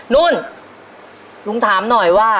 นุ่นลุงถามหน่อยว่า